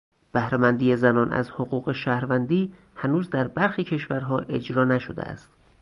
بهره مندی زنان از حقوق شهروندی هنوز در برخی کشورها اجرا نشده است.